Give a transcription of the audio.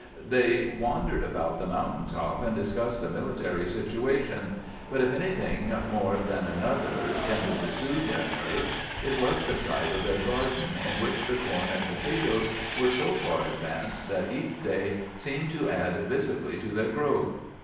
They wandered about the mountain top and discussed the military situation; but, if anything more than another tended to soothe their nerves, it was the sight of their garden, in which the corn and potatoes were so far advanced that each day seemed to add visibly to their growth.